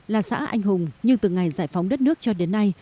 là xã anh hùng nhưng từ ngày giải phóng đất nước cho đến nay